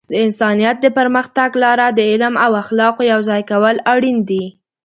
د انسانیت د پرمختګ لپاره د علم او اخلاقو یوځای کول اړین دي.